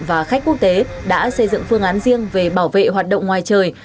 và khách quốc tế đã xây dựng phương án riêng về bảo vệ hoạt động ngoài trời